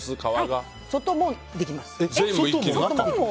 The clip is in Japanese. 外もできます。